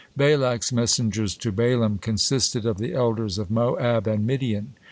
Balak's messengers to Balaam consisted of the elders of Moab and Midian.